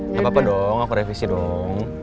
nggak apa apa dong aku revisi dong